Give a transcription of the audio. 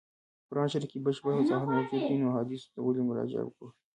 په قرآن شریف کي بشپړ وضاحت موجود دی نو احادیثو ته ولي مراجعه وکړو.